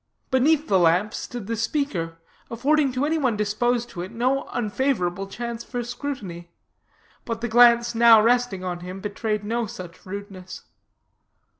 Beneath the lamp stood the speaker, affording to any one disposed to it no unfavorable chance for scrutiny; but the glance now resting on him betrayed no such rudeness.